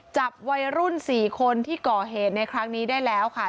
จับวัยรุ่น๔คนที่ก่อเหตุในครั้งนี้ได้แล้วค่ะ